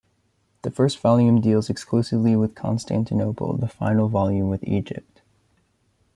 The first volume deals exclusively with Constantinople, the final volume with Egypt.